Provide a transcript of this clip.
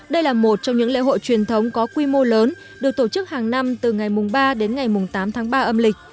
đây là một trong những lễ hội truyền thống có quy mô lớn được tổ chức hàng năm từ ngày ba đến ngày tám tháng ba âm lịch